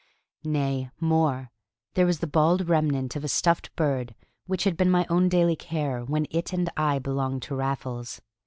Nay, more, there was the bald remnant of a stuffed bird which had been my own daily care when it and I belonged to Raffles.